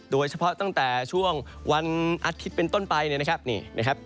โดยเฉพาะตั้งแต่ช่วงวันอาทิตย์เป็นต้นไปนะครับ